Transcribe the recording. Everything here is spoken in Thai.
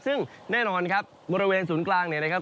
ซึ่งแน่นอนครับบริเวณศูนย์กลางเนี่ยนะครับ